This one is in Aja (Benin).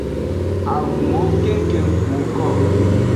Avunwo kengkeng woko.